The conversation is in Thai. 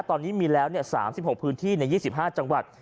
ตอนนี้มีแล้ว๓๖พื้นที่ใน๒๕จังหวัด